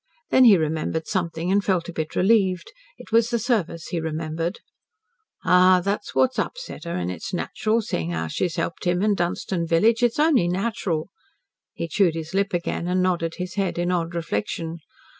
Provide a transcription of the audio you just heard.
Then he remembered something and felt a bit relieved. It was the service he remembered. "Ah! it's that that's upset her and it's natural, seeing how she's helped him and Dunstan village. It's only natural." He chewed his lip again, and nodded his head in odd reflection.